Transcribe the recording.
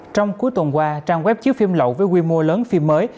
trong cuối tuần qua trang web chiếu phim lậu với quy mô lớn phim mới